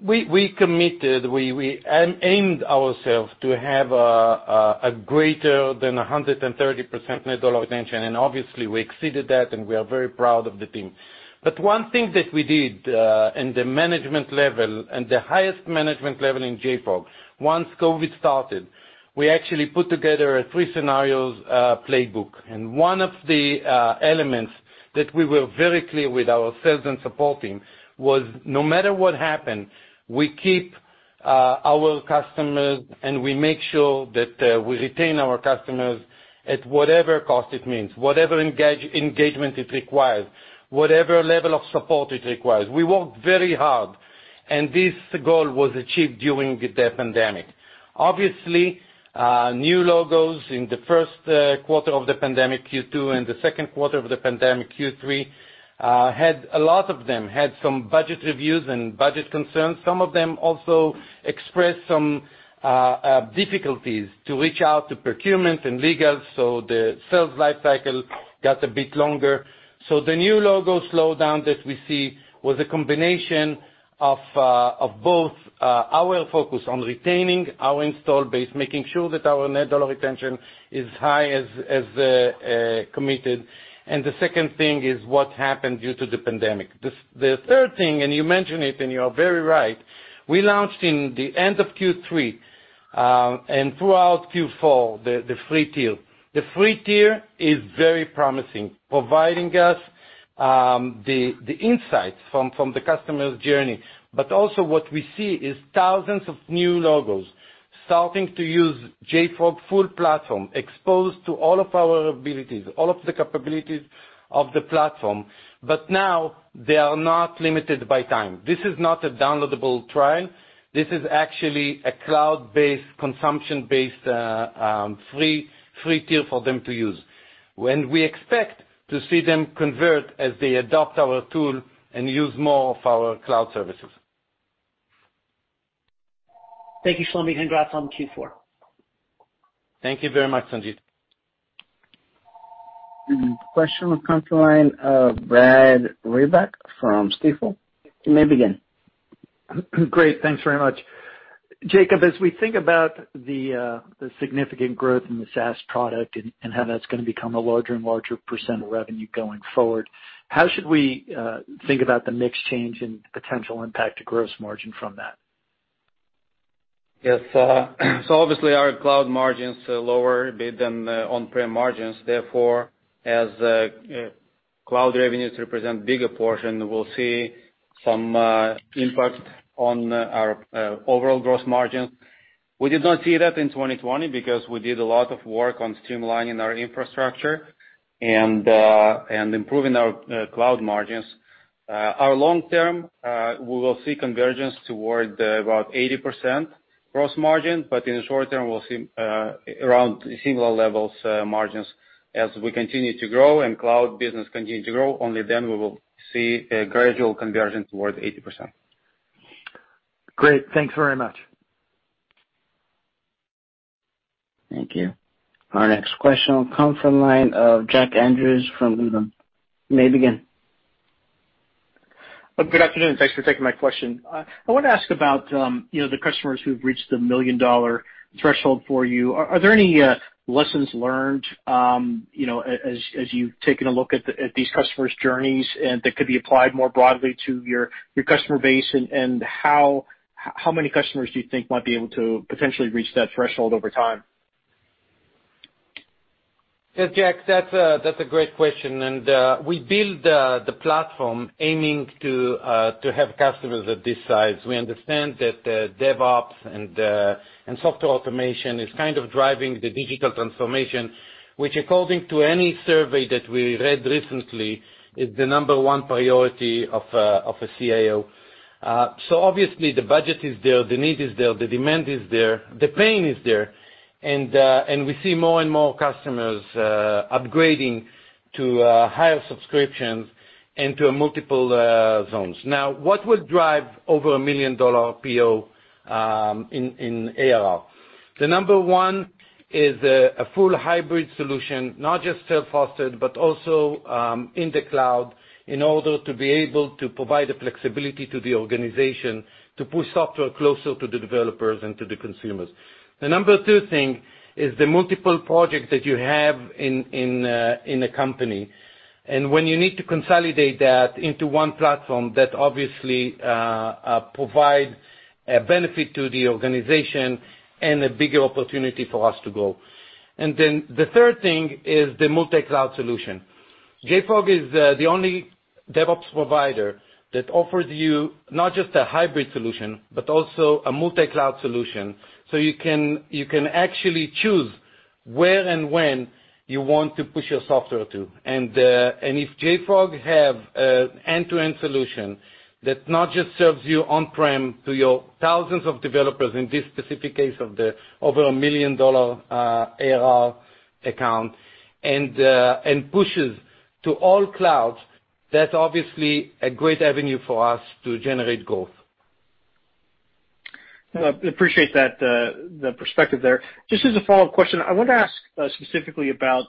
We committed, we aimed ourselves to have a greater than 130% net dollar retention, and obviously we exceeded that, and we are very proud of the team. One thing that we did, in the management level, in the highest management level in JFrog, once COVID started, we actually put together a three scenarios playbook. One of the elements that we were very clear with our sales and support team was, no matter what happened, we keep our customers and we make sure that we retain our customers at whatever cost it means, whatever engagement it requires, whatever level of support it requires. We worked very hard, and this goal was achieved during the pandemic. Obviously, new logos in the first quarter of the pandemic, Q2, and the second quarter of the pandemic, Q3, a lot of them had some budget reviews and budget concerns. Some of them also expressed some difficulties to reach out to procurement and legal, the sales lifecycle got a bit longer. The new logo slowdown that we see was a combination of both our focus on retaining our install base, making sure that our net dollar retention is high as committed, and the second thing is what happened due to the COVID-19 pandemic. The third thing, and you mention it, and you are very right, we launched in the end of Q3, and throughout Q4, the Free Tier. The Free Tier is very promising, providing us the insights from the customer's journey. Also what we see is thousands of new logos starting to use JFrog full platform, exposed to all of our abilities, all of the capabilities of the platform. Now they are not limited by time. This is not a downloadable trial. This is actually a cloud-based, consumption-based, free tier for them to use. When we expect to see them convert as they adopt our tool and use more of our cloud services. Thank you, Shlomi. Congrats on Q4. Thank you very much, Sanjit. Question from the line of Brad Reback from Stifel. You may begin. Great. Thanks very much. Jacob, as we think about the significant growth in the SaaS product and how that's going to become a larger and larger percent of revenue going forward, how should we think about the mix change and potential impact to gross margin from that? Yes. Obviously, our cloud margins are lower bit than on-prem margins. Therefore, as cloud revenues represent bigger portion, we'll see some impact on our overall gross margin. We did not see that in 2020 because we did a lot of work on streamlining our infrastructure and improving our cloud margins. Our long term, we'll see convergence toward about 80% gross margin, but in the short term, we'll see around similar levels, margins. As we continue to grow and cloud business continue to grow, only then we will see a gradual conversion towards 80%. Great. Thanks very much. Thank you. Our next question will come from line of Jack Andrews from Needham. You may begin. Good afternoon. Thanks for taking my question. I want to ask about the customers who've reached the million-dollar threshold for you. Are there any lessons learned, as you've taken a look at these customers' journeys, and that could be applied more broadly to your customer base? How many customers do you think might be able to potentially reach that threshold over time? Yes, Jack, that's a great question. We build the platform aiming to have customers of this size. We understand that DevOps and software automation is kind of driving the digital transformation, which according to any survey that we read recently, is the number one priority of a CIO. Obviously, the budget is there, the need is there, the demand is there, the pain is there. We see more and more customers upgrading to higher subscriptions into multiple zones. Now, what will drive over a $1 million PO in ARR? The number one is a full hybrid solution, not just self-hosted, but also in the cloud, in order to be able to provide the flexibility to the organization to push software closer to the developers and to the consumers. The number two thing is the multiple projects that you have in a company. When you need to consolidate that into one platform, that obviously provide a benefit to the organization and a bigger opportunity for us to grow. Then the third thing is the multi-cloud solution. JFrog is the only DevOps provider that offers you not just a hybrid solution, but also a multi-cloud solution. You can actually choose where and when you want to push your software to. If JFrog have end-to-end solution that not just serves you on-prem to your thousands of developers, in this specific case of the over $1 million ARR account, and pushes to all clouds, that's obviously a great avenue for us to generate growth. Appreciate the perspective there. Just as a follow-up question, I wanted to ask specifically about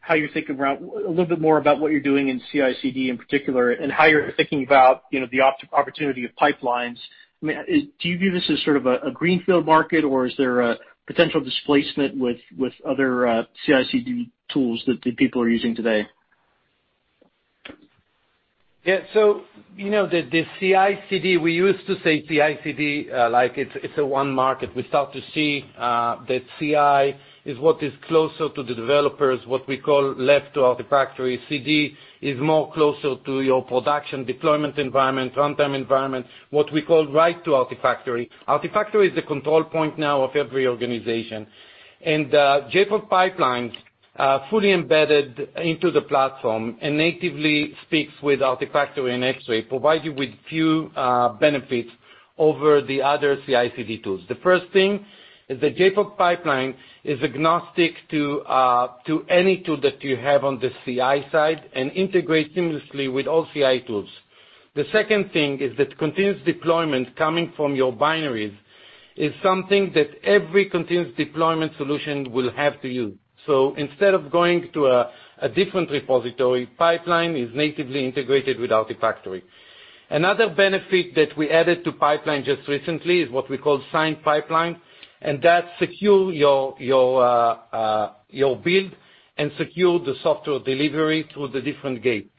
how you're thinking a little bit more about what you're doing in CI/CD in particular, and how you're thinking about the opportunity of Pipelines. Do you view this as sort of a greenfield market, or is there a potential displacement with other CI/CD tools that people are using today? Yeah. The CI/CD, we used to say CI/CD like it's a one market. We start to see that CI is what is closer to the developers, what we call left to Artifactory. CD is more closer to your production deployment environment, runtime environment, what we call right to Artifactory. Artifactory is the control point now of every organization. JFrog Pipelines, fully embedded into the platform and natively speaks with Artifactory and Xray, provide you with few benefits over the other CI/CD tools. The first thing is the JFrog Pipelines is agnostic to any tool that you have on the CI side and integrates seamlessly with all CI tools. The second thing is that continuous deployment coming from your binaries is something that every continuous deployment solution will have to use. Instead of going to a different repository, Pipeline is natively integrated with Artifactory. Another benefit that we added to Pipeline just recently is what we call signed pipeline, and that secure your build and secure the software delivery through the different gate.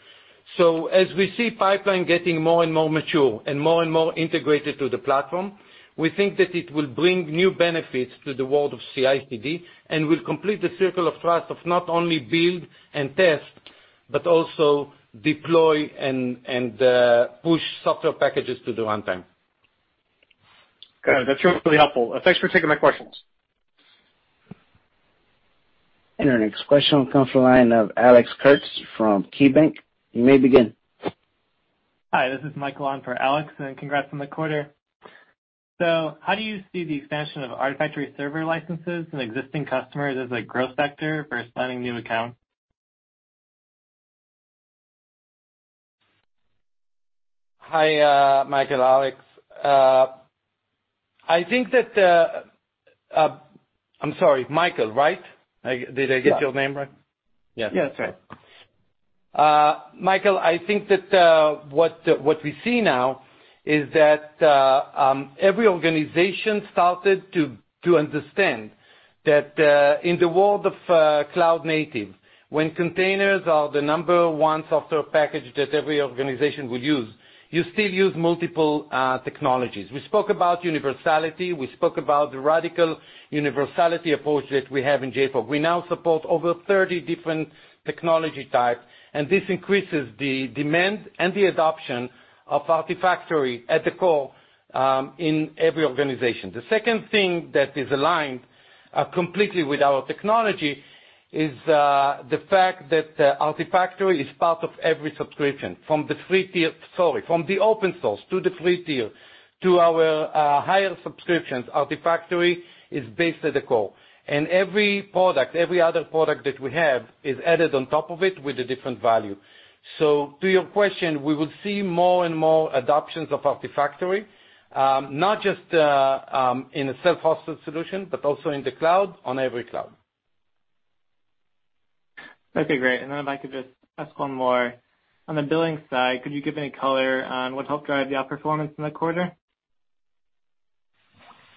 As we see Pipeline getting more and more mature and more and more integrated to the platform, we think that it will bring new benefits to the world of CI/CD and will complete the circle of trust of not only build and test, but also deploy and push software packages to the runtime. Got it. That's really helpful. Thanks for taking my questions. Our next question comes from the line of Alex Kurtz from KeyBanc. You may begin. Hi, this is Michael on for Alex, and congrats on the quarter. How do you see the expansion of Artifactory server licenses and existing customers as a growth sector versus adding new accounts? Hi, Michael, Alex. I'm sorry, Michael, right? Did I get your name right? Yes, that's right. Michael, I think that what we see now is that every organization started to understand that in the world of cloud native, when containers are the number one software package that every organization will use, you still use multiple technologies. We spoke about universality, we spoke about the radical universality approach that we have in JFrog. We now support over 30 different technology types, and this increases the demand and the adoption of Artifactory at the core, in every organization. The second thing that is aligned completely with our technology is the fact that Artifactory is part of every subscription, from the open source to the free tier to our higher subscriptions. Artifactory is based at the core. Every other product that we have is added on top of it with a different value. To your question, we will see more and more adoptions of Artifactory, not just in a self-hosted solution, but also in the cloud, on every cloud. Okay, great. If I could just ask one more. On the billing side, could you give any color on what helped drive the outperformance in the quarter?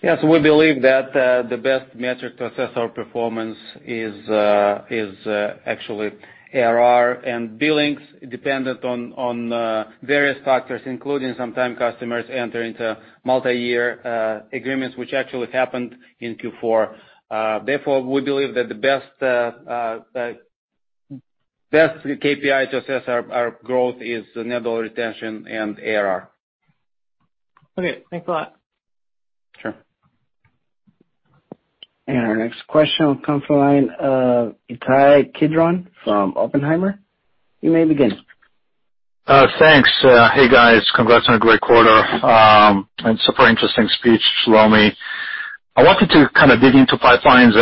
Yes, we believe that the best metric to assess our performance is actually ARR. Billings depended on various factors, including sometimes customers enter into multi-year agreements, which actually happened in Q4. Therefore, we believe that the best KPI to assess our growth is net dollar retention and ARR. Okay, thanks a lot. Sure. Our next question will come from the line of Ittai Kidron from Oppenheimer. You may begin. Thanks. Hey, guys. Congrats on a great quarter. Super interesting speech, Shlomi. I wanted to kind of dig into Pipelines.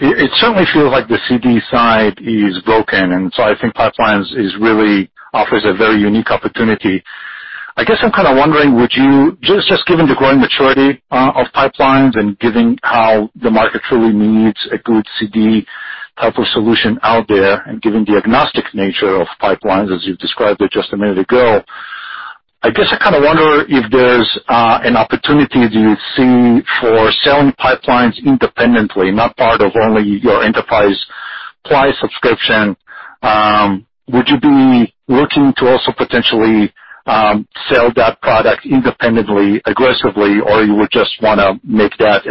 It certainly feels like the CD side is broken, so I think Pipelines really offers a very unique opportunity. I guess I'm kind of wondering, just given the growing maturity of Pipelines and given how the market truly needs a good CD type of solution out there, and given the agnostic nature of Pipelines as you've described it just a minute ago, I guess I kind of wonder if there's an opportunity that you see for selling Pipelines independently, not part of only your Enterprise Plus subscription. Would you be looking to also potentially sell that product independently, aggressively, or you would just want to make that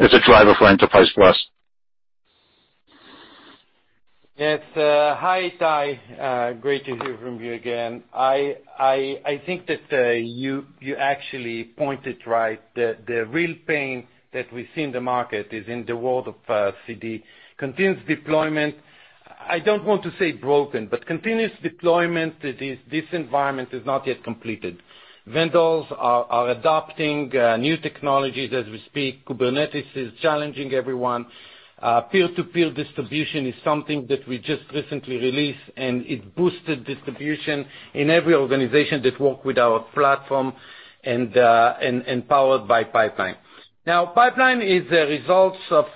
as a driver for Enterprise Plus? Yes. Hi, Ittai. Great to hear from you again. I think that you actually pointed right. The real pain that we see in the market is in the world of CD. Continuous deployment. I don't want to say broken, but Continuous deployment, this environment is not yet completed. Vendors are adopting new technologies as we speak. Kubernetes is challenging everyone. Peer-to-peer distribution is something that we just recently released, and it boosted distribution in every organization that work with our platform and powered by Pipelines. Now, Pipelines is a result of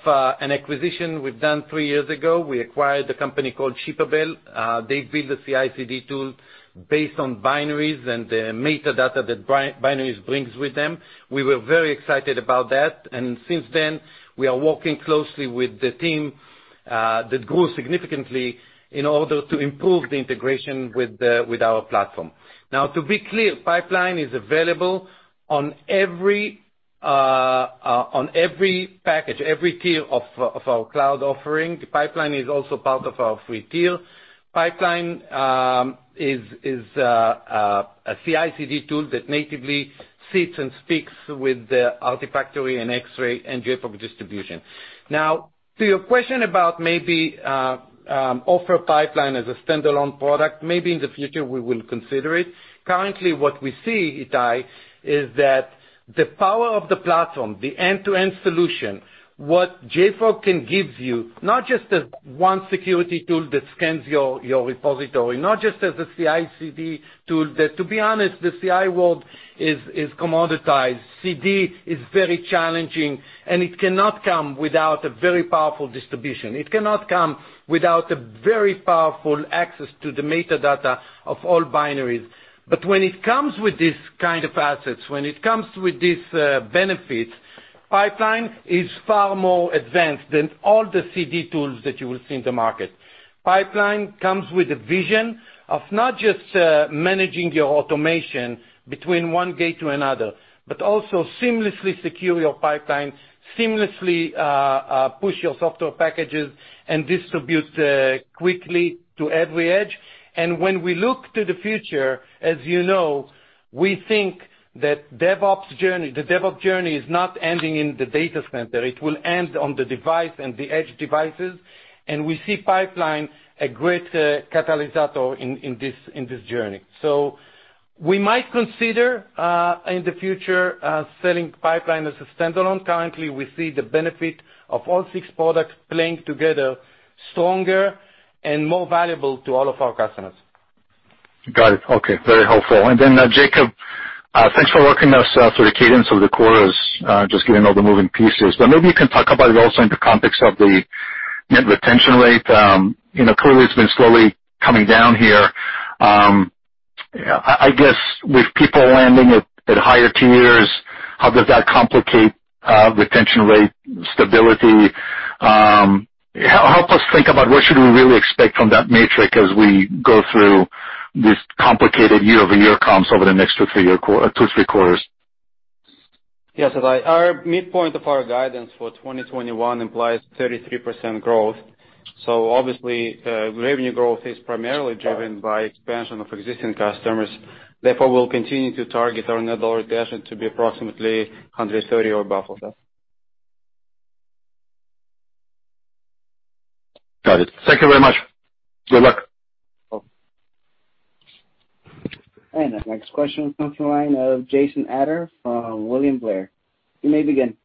an acquisition we've done three years ago. We acquired a company called Shippable. They build a CI/CD tool based on binaries and the metadata that binaries brings with them. We were very excited about that, and since then, we are working closely with the team, that grew significantly, in order to improve the integration with our platform. To be clear, Pipelines is available on every package, every tier of our cloud offering. Pipelines is also part of our Free Tier. Pipelines is a CI/CD tool that natively sits and speaks with the Artifactory and Xray and JFrog Distribution. Now, to your question about maybe offer Pipelines as a standalone product, maybe in the future we will consider it. Currently, what we see, Ittai, is that the power of the platform, the end-to-end solution, what JFrog can give you, not just as one security tool that scans your repository, not just as a CI/CD tool. To be honest, the CI world is commoditized. CD is very challenging, and it cannot come without a very powerful distribution. It cannot come without a very powerful access to the metadata of all binaries. When it comes with these kind of assets, when it comes with these benefits, Pipeline is far more advanced than all the CD tools that you will see in the market. Pipeline comes with a vision of not just managing your automation between one gate to another, but also seamlessly secure your pipeline, seamlessly push your software packages, and distribute quickly to every edge. When we look to the future, as you know, we think that the DevOps journey is not ending in the data center. It will end on the device and the edge devices, and we see Pipeline a great catalyst in this journey. We might consider, in the future, selling Pipeline as a standalone. Currently, we see the benefit of all six products playing together stronger and more valuable to all of our customers. Got it. Okay. Very helpful. Jacob, thanks for walking us through the cadence of the quarters, just given all the moving pieces. Maybe you can talk about it also in the context of the net retention rate. Clearly, it's been slowly coming down here. I guess, with people landing at higher tiers, how does that complicate retention rate stability? Help us think about what should we really expect from that metric as we go through this complicated year-over-year comps over the next two, three quarters. Yes, Ittai, our midpoint of our guidance for 2021 implies 33% growth. Obviously, revenue growth is primarily driven by expansion of existing customers. Therefore, we'll continue to target our net dollar retention to be approximately 130 or above of that. Got it. Thank you very much. Good luck. Welcome. The next question comes from the line of Jason Ader from William Blair. You may begin.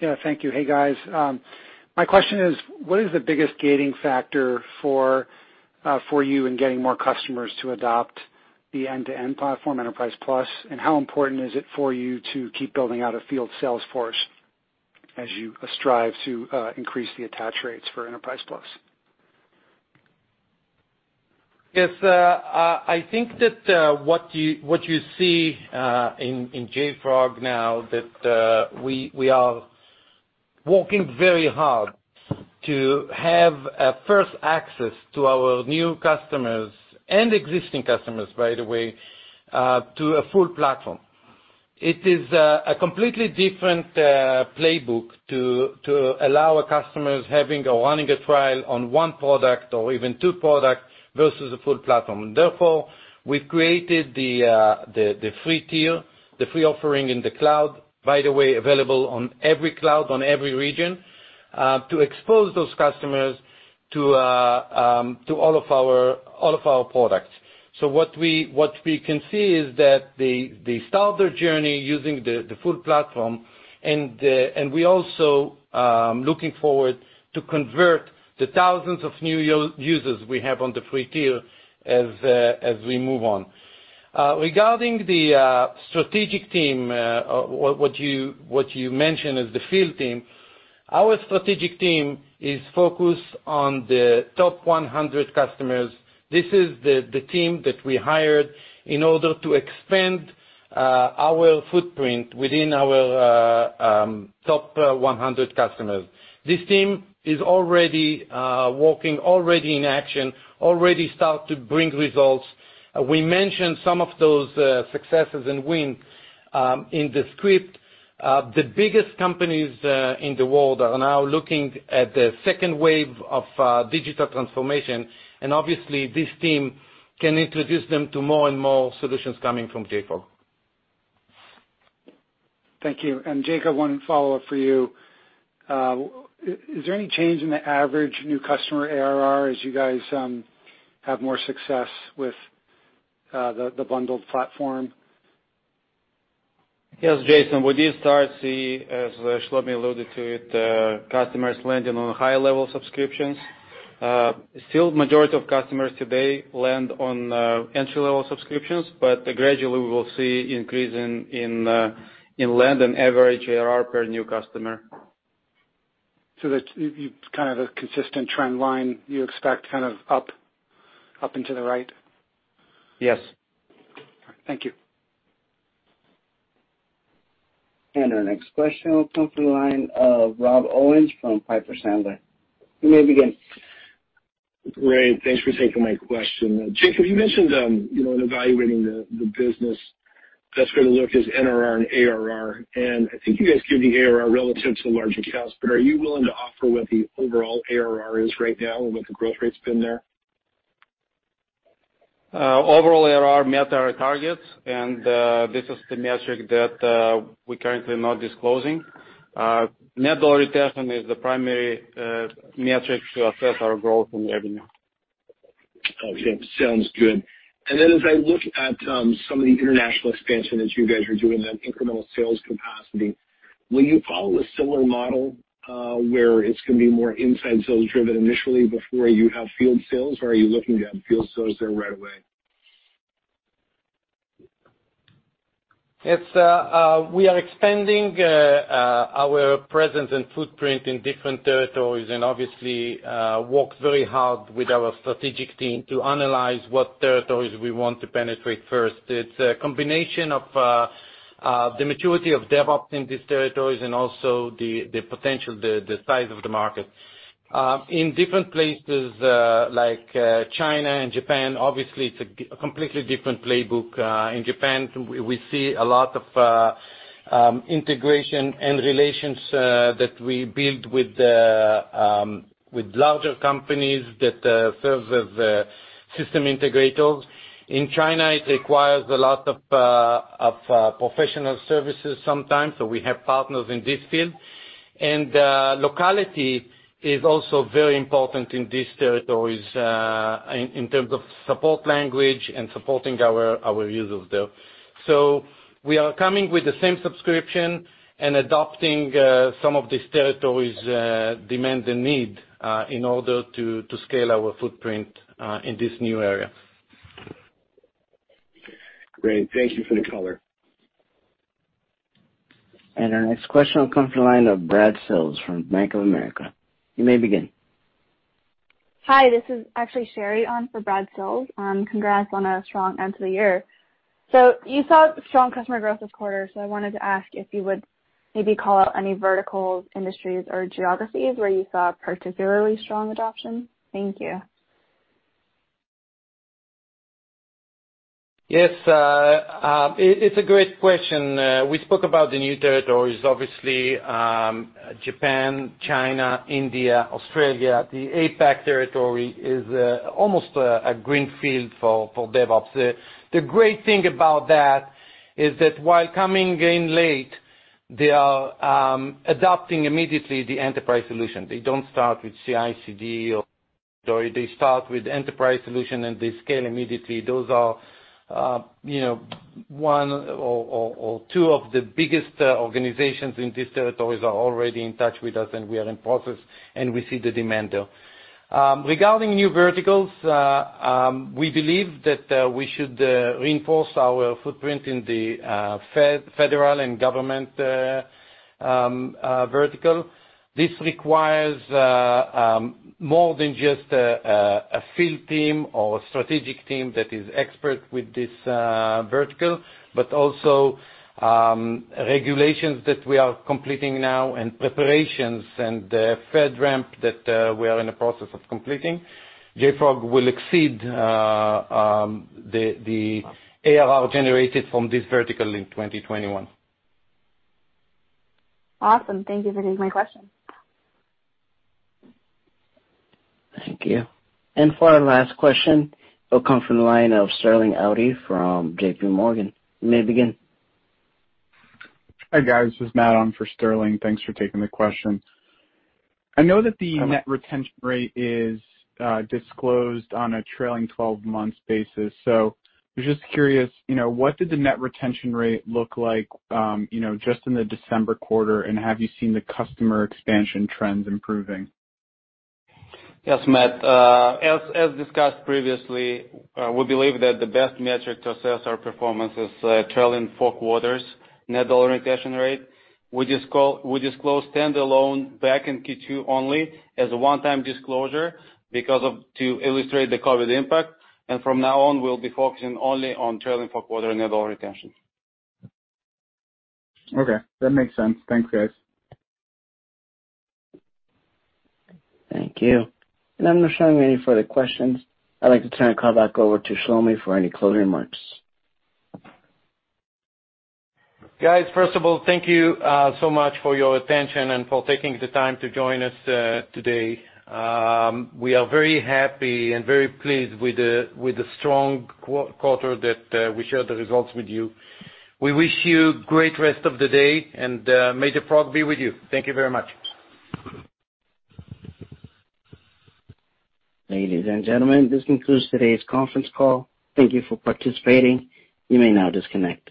Yeah, thank you. Hey, guys. My question is, what is the biggest gating factor for you in getting more customers to adopt the end-to-end platform, Enterprise Plus? How important is it for you to keep building out a field sales force as you strive to increase the attach rates for Enterprise Plus? Yes, I think that what you see in JFrog now, that we are working very hard to have a first access to our new customers, and existing customers, by the way, to a full platform. It is a completely different playbook to allow our customers having or running a trial on one product or even two products versus a full platform. We've created the JFrog Free Tier, the free offering in the cloud, by the way, available on every cloud, on every region, to expose those customers to all of our products. What we can see is that they start their journey using the full platform, and we also looking forward to convert the thousands of new users we have on the JFrog Free Tier as we move on. Regarding the strategic team, what you mention as the field team, our strategic team is focused on the top 100 customers. This is the team that we hired in order to expand our footprint within our top 100 customers. This team is already working, already in action, already start to bring results. We mentioned some of those successes and wins in the script. The biggest companies in the world are now looking at the second wave of digital transformation, obviously, this team can introduce them to more and more solutions coming from JFrog. Thank you. Jacob, one follow-up for you. Is there any change in the average new customer ARR as you guys have more success with the bundled platform? Yes, Jason, we did start see, as Shlomi alluded to it, customers landing on higher level subscriptions. Still majority of customers today land on entry-level subscriptions, but gradually we will see increase in land and average ARR per new customer. It's kind of a consistent trend line you expect, kind of up into the right? Yes. Thank you. Our next question will come from the line of Rob Owens from Piper Sandler. You may begin. Great. Thanks for taking my question. Jacob, you mentioned, in evaluating the business, best way to look is NRR and ARR. I think you guys give the ARR relative to large accounts, but are you willing to offer what the overall ARR is right now and what the growth rate's been there? Overall ARR met our targets, and this is the metric that we currently are not disclosing. Net dollar retention is the primary metric to assess our growth in revenue. Okay. Sounds good. As I look at some of the international expansion that you guys are doing, that incremental sales capacity, will you follow a similar model, where it's going to be more inside sales driven initially before you have field sales, or are you looking to have field sales there right away? We are expanding our presence and footprint in different territories and obviously, work very hard with our strategic team to analyze what territories we want to penetrate first. It's a combination of the maturity of DevOps in these territories and also the potential, the size of the market. In different places like China and Japan, obviously, it's a completely different playbook. In Japan, we see a lot of integration and relations that we build with larger companies that serves as system integrators. In China, it requires a lot of professional services sometimes. We have partners in this field. Locality is also very important in these territories, in terms of support language and supporting our users there. We are coming with the same subscription and adopting some of these territories' demand and need, in order to scale our footprint in this new area. Great. Thank you for the color. Our next question will come from the line of Brad Sills from Bank of America. You may begin. Hi, this is actually Sherry on for Brad Sills. Congrats on a strong end to the year. You saw strong customer growth this quarter, so I wanted to ask if you would maybe call out any verticals, industries, or geographies where you saw particularly strong adoption? Thank you. Yes. It's a great question. We spoke about the new territories, obviously, Japan, China, India, Australia. The APAC territory is almost a green field for DevOps. The great thing about that is that while coming in late, they are adopting immediately the enterprise solution. They don't start with CI/CD. They start with enterprise solution, and they scale immediately. Those are one or two of the biggest organizations in these territories are already in touch with us, and we are in process, and we see the demand there. Regarding new verticals, we believe that we should reinforce our footprint in the federal and government vertical. This requires more than just a field team or a strategic team that is expert with this vertical, but also regulations that we are completing now and preparations and FedRAMP that we are in the process of completing. JFrog will exceed the ARR generated from this vertical in 2021. Awesome. Thank you for taking my question. Thank you. For our last question, it'll come from the line of Sterling Auty from JPMorgan. You may begin. Hi, guys. This is Matt on for Sterling. Thanks for taking the question. I know that the net retention rate is disclosed on a trailing 12 months basis. I was just curious, what did the net retention rate look like just in the December quarter, and have you seen the customer expansion trends improving? Yes, Matt. As discussed previously, we believe that the best metric to assess our performance is trailing four quarters net dollar retention rate. We disclosed standalone back in Q2 only as a one-time disclosure to illustrate the COVID impact. From now on, we'll be focusing only on trailing four quarter net dollar retention. Okay. That makes sense. Thanks, guys. Thank you. I'm not showing any further questions. I'd like to turn the call back over to Shlomi for any closing remarks. Guys, first of all, thank you so much for your attention and for taking the time to join us today. We are very happy and very pleased with the strong quarter that we shared the results with you. We wish you great rest of the day, and may the frog be with you. Thank you very much. Ladies and gentlemen, this concludes today's conference call. Thank you for participating. You may now disconnect.